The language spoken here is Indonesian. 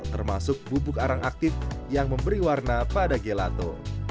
termasuk bubuk arang aktif yang memberi warna pada gelato